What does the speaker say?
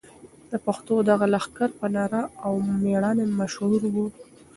د پښتنو دغه لښکر په نره او مېړانه مشهور و.